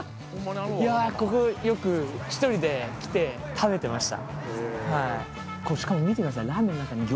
いやここよく１人で来て食べてました。